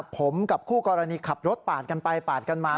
ผมกับคู่กรณีขับรถปาดกันไปปาดกันมา